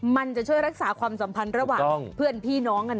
มันจะช่วยรักษาความสัมพันธ์ระหว่างเพื่อนพี่น้องกัน